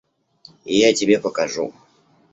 Я тебе покажу.